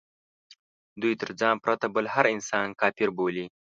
دوی تر ځان پرته بل هر انسان کافر بولي.